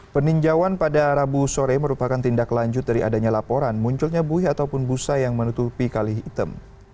peninjauan pada rabu sore merupakan tindak lanjut dari adanya laporan munculnya buih ataupun busa yang menutupi kali hitam